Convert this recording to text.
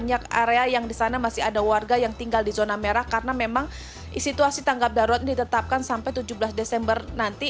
banyak area yang di sana masih ada warga yang tinggal di zona merah karena memang situasi tanggap darurat ini ditetapkan sampai tujuh belas desember nanti